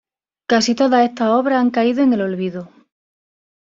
Casi todas estas obras han caído en el olvido.